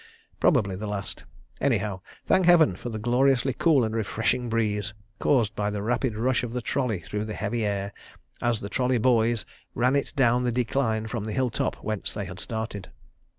Probably the last. Anyhow—thank Heaven for the gloriously cool and refreshing breeze, caused by the rapid rush of the trolley through the heavy air, as the trolley "boys" ran it down the decline from the hill top whence they had started.